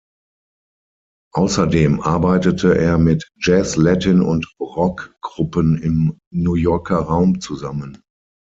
Außerdem arbeitete er mit Jazz-, Latin-, und Rockgruppen im New Yorker Raum zusammen.